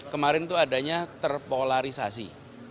kemarin itu adanya terpolarisasi